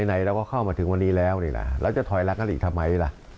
ไหนเราก็เข้ามาถึงวันนี้แล้วเราจะถอยลากกันหรือทำไม